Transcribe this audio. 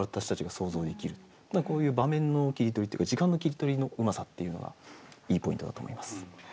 何かこういう場面の切り取りっていうか時間の切り取りのうまさっていうのがいいポイントだと思います。